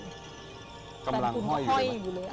สองมันจะเห็นเลยไงฮะอืมขีดเข้าไปก็เจอเลยคำลังห้อยอยู่เลย